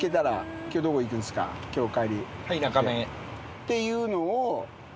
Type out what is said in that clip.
っていうのを。